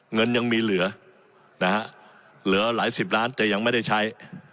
เงินยังมีเหลือนะฮะเหลือหลายสิบล้านแต่ยังไม่ได้ใช้